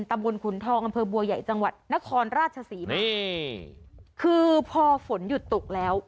ตำบลขุนทองอำเภอบัวใหญ่จังหวัดนครราชศรีมาคือพอฝนหยุดตกแล้ว